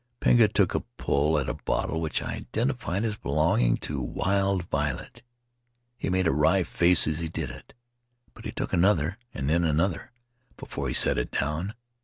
Pinga took a pull at a bottle which I identified as belonging to Wild Violet. He made a wry face as he did it, but he took another and then another, before he set it down.